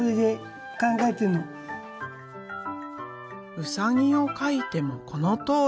ウサギを描いてもこのとおり。